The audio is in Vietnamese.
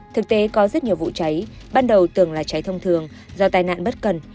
thực tế có rất nhiều vụ cháy ban đầu từng là cháy thông thường do tai nạn bất cần